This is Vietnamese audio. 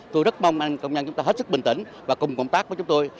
tôi rất mong anh công nhân chúng ta hết sức bình tĩnh và cùng công tác với chúng tôi